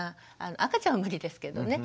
赤ちゃんは無理ですけどね。